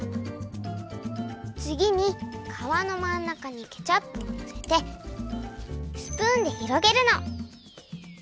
つぎに皮のまんなかにケチャップをのせてスプーンでひろげるの。